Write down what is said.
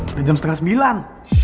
udah jam setengah sembilan